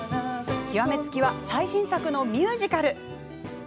極め付きは最新作のミュージカル。